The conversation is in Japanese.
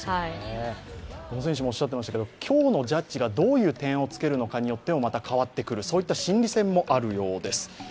小野選手もおっしゃっていましたけれども、今日のジャッジがどういう点をつけるかでもまた変わってくるといった心理戦もあるようです。